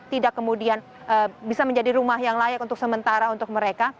tidak kemudian bisa menjadi rumah yang layak untuk sementara untuk mereka